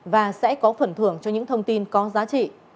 và sẽ có phần thưởng cho những thông tin có giá trị